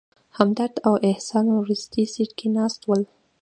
همدرد او احسان وروستي سیټ کې ناست ول.